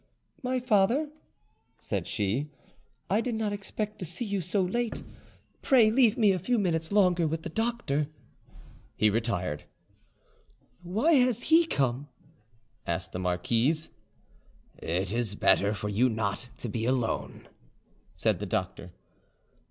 "My father," said she, "I did not expect to see you so late; pray leave me a few minutes longer with the doctor." He retired. "Why has he come?" asked the marquise. "It is better for you not to be alone," said the doctor.